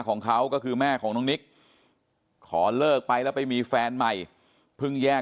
ของเขาก็คือแม่ของน้องนิกขอเลิกไปแล้วไปมีแฟนใหม่เพิ่งแยก